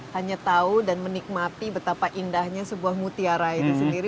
hanya tahu dan menikmati betapa indahnya sebuah mutiara itu sendiri